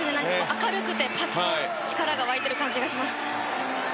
明るくて力が沸いている感じがします。